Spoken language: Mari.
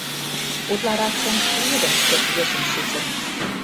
Утларакшым йӱдым пеш йӧсын чучын.